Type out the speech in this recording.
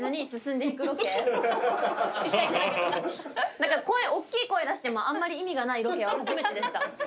何か声おっきい声出してもあんまり意味がないロケは初めてでした。